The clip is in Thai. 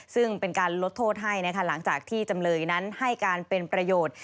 ซึ่งเป็นการลดโทษให้นะคะหลังจากที่จำเลยนั้นให้การเป็นประโยชน์